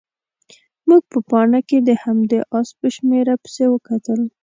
موږ په پاڼه کې د همدې اس په شمېره پسې وکتل.